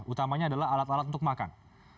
utamanya adalah alat alat untuk makan